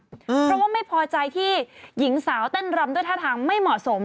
เพราะว่าไม่พอใจที่หญิงสาวเต้นรำด้วยท่าทางไม่เหมาะสม